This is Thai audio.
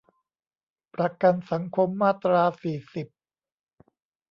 ประกันสังคม มาตรา สี่สิบ